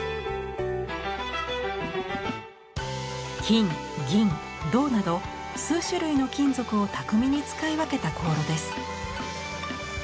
金銀銅など数種類の金属を巧みに使い分けた香炉です。